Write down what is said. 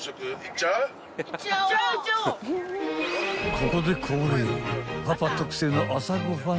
［ここで恒例］